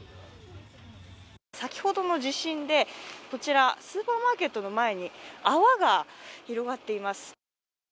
先ほどの地震でスーパーマーケットの前に泡が広がっています。